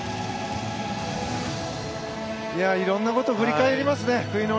色んなことを振り返りますね。